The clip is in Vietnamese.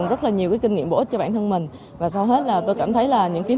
rất là nhiều cái kinh nghiệm bổ ích cho bản thân mình và sau hết là tôi cảm thấy là những kiến